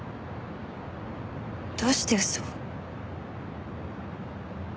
どうして嘘を？